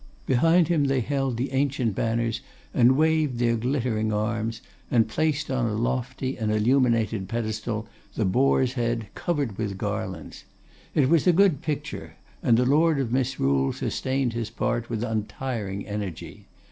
Behind him they held the ancient banners and waved their glittering arms, and placed on a lofty and illuminated pedestal the Boar's head covered with garlands. It was a good picture, and the Lord of Misrule sustained his part with untiring energy.